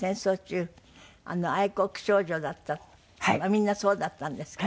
みんなそうだったんですけど。